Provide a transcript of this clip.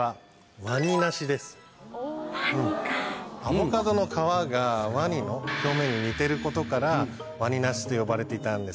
アボカドの皮が鰐の表面に似てることから鰐梨と呼ばれていたんです。